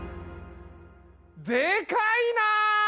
でかいな！